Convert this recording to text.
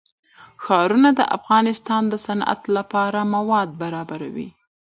ښارونه د افغانستان د صنعت لپاره مواد برابروي.